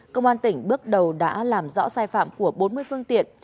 công an tỉnh bước đầu đã làm rõ sai phạm của bốn mươi phương tiện